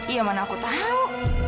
ya mana aku tahu